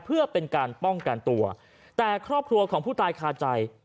เพื่อเป็นการป้องกันตัวแต่ครอบครัวของผู้ตายคาใจ